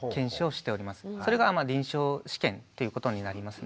それがまあ臨床試験っていうことになりますね。